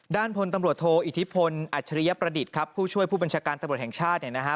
ด้านพลตำรวจโทอิทธิพลอัจฉริยประดิษฐ์ครับผู้ช่วยผู้บัญชาการตำรวจแห่งชาติเนี่ยนะฮะ